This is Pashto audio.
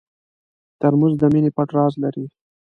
ترموز د مینې پټ راز لري.